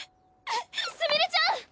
すみれちゃん！